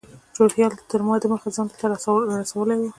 روهیال تر ما دمخه ځان دلته رارسولی و.